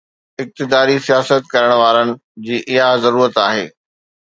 اقتداري سياست ڪرڻ وارن جي اها ضرورت آهي.